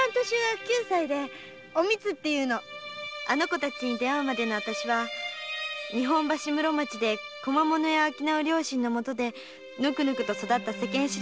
あの子たちに出会うまでの私は日本橋室町で小間物屋を商う両親のもとでぬくぬくと育った世間知らずの娘でした。